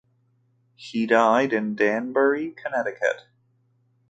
He died in Danbury, Connecticut.